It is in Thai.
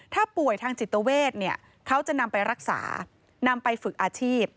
ถ้าป่วยทางจิตเวทเนี่ยเขาจะนำไปรักษานำไปฝึกอาชีพ